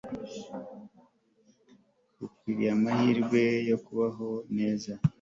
Ukwiriye amahirwe yo kubaho neza